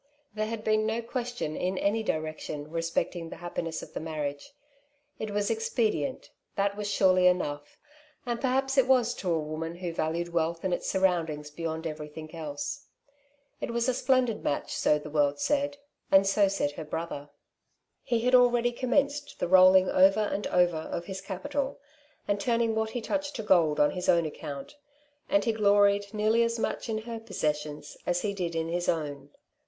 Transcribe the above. There had been no question in any direction respect ing the happiness of the marriage ; it was expe dient, that was surely enough ; and perhaps it was to a woman who valued wealth and its surroundings beyond everything else. It was a splendid match so the world said, and so said her brother. He had already commenced the rolling over and over of Iftis^ c 2 20 " Two Sides to every Question^ capital, and turning what he touched to gold on his own account ; and he gloried nearly as much in her possessions as he did in his own.